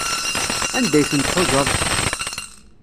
Anda ay ten-tḥuzaḍ?